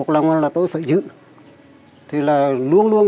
có bản đã hơn ba trăm linh năm